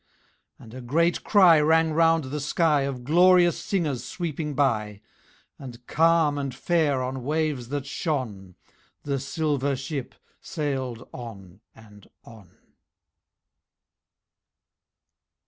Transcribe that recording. And a great cry rang round the sky Of glorious singers sweeping by, And calm and fair on waves that shone The Silver Ship sailed on and on.